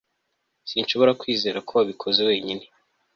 sinshobora kwizera ko wabikoze wenyine